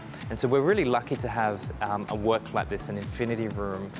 jadi kami sangat beruntung untuk memiliki pekerjaan seperti ini infinity room